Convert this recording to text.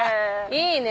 いいね。